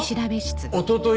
おととい